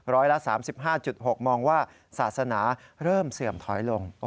ร้อยละ๓๕๖มองว่าศาสนาเริ่มเสื่อมถอยลง